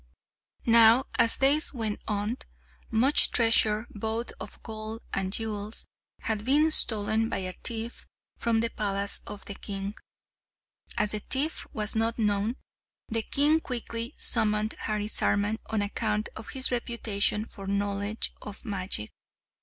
Now, as days went on, much treasure, both of gold and jewels, had been stolen by a thief from the palace of the king. As the thief was not known, the king quickly summoned Harisarman on account of his reputation for knowledge of magic.